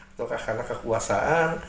atau karena kekuasaan